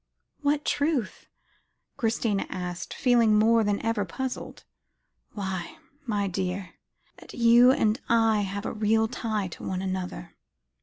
"What truth?" Christina asked, feeling more than ever puzzled. "Why my dear that you and I have a real tie to one another.